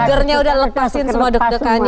segernya udah lepasin semua deg degannya